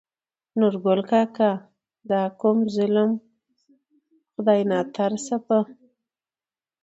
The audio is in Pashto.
نورګل کاکا : دا کوم ظلم خداى ناترسه په